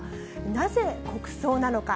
なぜ国葬なのか。